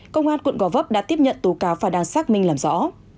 công an quận gò vấp đã tiếp nhận tố cáo và đang xác minh làm rõ